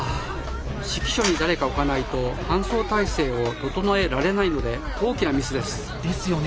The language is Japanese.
指揮所に誰か置かないと搬送態勢を整えられないので大きなミスです。ですよね。